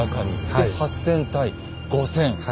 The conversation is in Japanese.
で８，０００対５，０００。